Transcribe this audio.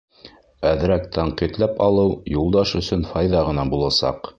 Әҙерәк тәнҡитләп алыу Юлдаш өсөн файҙа ғына буласаҡ.